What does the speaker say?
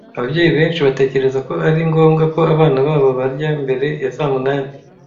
Ababyeyi benshi batekereza ko ari ngombwa ko abana babo barya mbere ya saa munani.